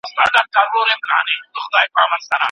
د واده په پرېکړه کي څوک ډېر واک لري؟